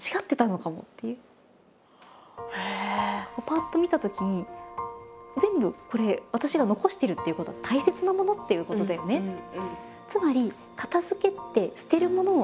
パッと見たときに全部これ私が残してるということは大切なものっていうことだよねって。